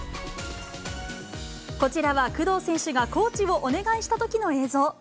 こちらは工藤選手がコーチをお願いしたときの映像。